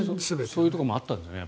そういうところもあったんですかね。